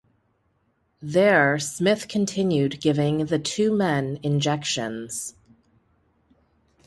There Smith continued giving the two men injections.